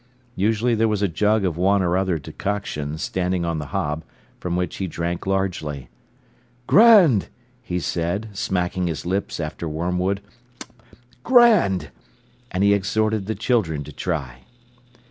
Usually there was a jug of one or other decoction standing on the hob, from which he drank largely. "Grand!" he said, smacking his lips after wormwood. "Grand!" And he exhorted the children to try.